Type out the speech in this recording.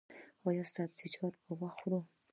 ایا سبزیجات به خورئ؟